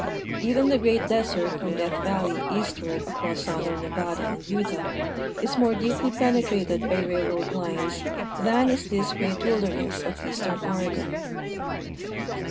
Even the great desert from Death valley eastward across southern Nevada and Utah is more deeply penetrated by railroad lines than is this great wilderness of eastern Oregon.